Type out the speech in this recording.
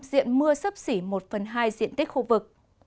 diện mưa sấp xỉ một phần hai diện tích khu vực